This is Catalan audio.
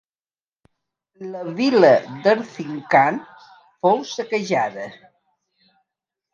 La vila d'Erzincan fou saquejada.